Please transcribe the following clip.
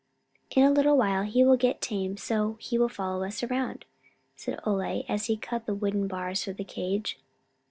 "In a little while he will get tame so he will follow us around," said Ole, as he cut the wooden bars for the cage.